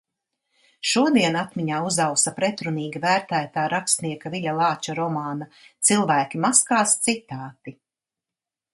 Šodien atmiņā uzausa pretrunīgi vērtētā rakstnieka Viļa Lāča romāna "Cilvēki maskās" citāti.